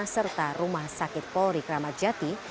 serta rumah sakit polri kramat jati